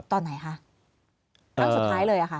ตอนไหนคะครั้งสุดท้ายเลยค่ะ